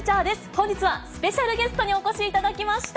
本日はスペシャルゲストにお越しいただきました。